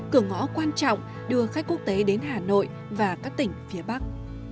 cửa ngõ quan trọng đưa khách quốc tế đến hà nội và các tỉnh phía bắc